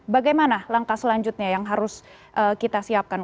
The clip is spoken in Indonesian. bagaimana langkah selanjutnya yang harus kita siapkan